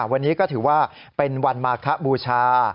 วันนี้ก็ถือว่าเป็นวันมาคบูชา